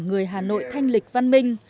người hà nội thanh lịch văn minh